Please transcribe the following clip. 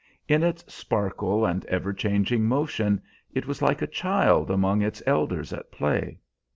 In its sparkle and ever changing motion it was like a child among its elders at play.